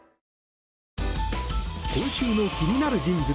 今週の気になる人物